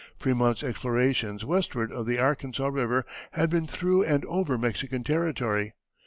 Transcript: Frémont's explorations westward of the Arkansas River had been through and over Mexican territory.